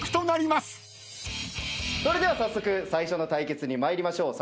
それでは早速最初の対決に参りましょう。